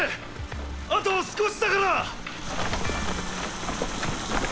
あと少しだから！